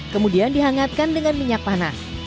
kemudian dihangatkan dengan minyak panas